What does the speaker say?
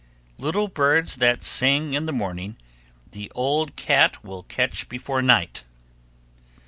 Little birds that sing in the morning The old cat will catch before night.